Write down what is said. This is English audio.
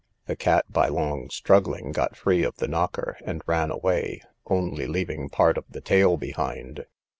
The cat, by long struggling, got free of the knocker, and ran away, only leaving part of the tail behind.